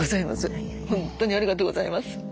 ほんとにありがとうございます。